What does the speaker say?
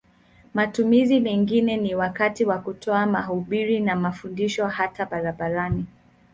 Matumizi mengine ni wakati wa kutoa mahubiri na mafundisho hata barabarani.